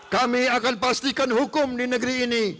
kami akan pastikan hukum di negeri ini